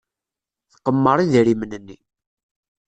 Tqemmer idrimen-nni.